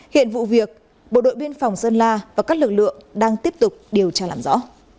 hiện vụ việc bộ đội biên phòng sơn la và các lực lượng đang tiếp tục điều tra làm rõ